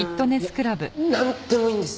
いやなんでもいいんです。